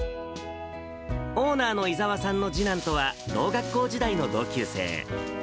オーナーの伊澤さんの次男とは、ろう学校時代の同級生。